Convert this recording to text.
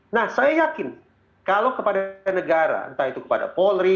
nah saya yakin kalau kepada negara entah itu kepada polri